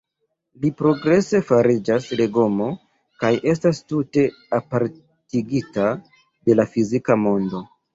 Li progrese fariĝas legomo, kaj estas tute apartigita de la fizika mondo.